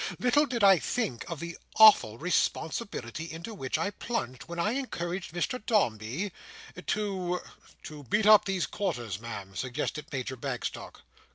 Little did I think of the awful responsibility into which I plunged when I encouraged Mr Dombey—to"— "To beat up these quarters, Ma'am," suggested Major Bagstock.